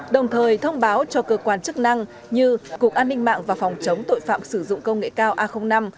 đồng thời thông báo cho cơ quan chức năng như cục an ninh mạng và phòng chống tội phạm sử dụng công nghệ cao a năm